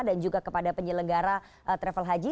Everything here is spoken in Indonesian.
dan juga kepada penyelenggara travel haji